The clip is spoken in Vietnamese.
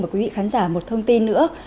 và quý vị khán giả một thông tin nữa